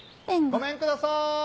ごめんくださーい！